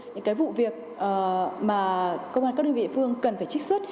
những cái vụ việc mà công an các đơn vị địa phương cần phải trích xuất